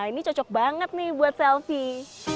ini cocok banget nih buat selfie